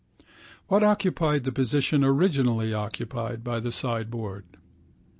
What occupied the position originally occupied by the sideboard?